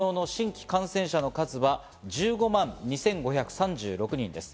昨日の新規感染者の数は１５万２５３６人です。